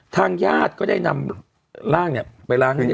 ทางญาติก็ได้นำร่างเนี่ยไปร้างเนี่ย